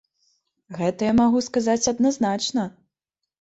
Гэта я магу сказаць адназначна!